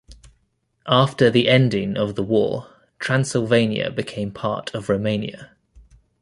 After the ending of the war Transylvania became part of Romania.